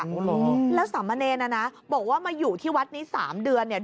โอ้โหแล้วสามเณรน่ะนะบอกว่ามาอยู่ที่วัดนี้สามเดือนเนี่ย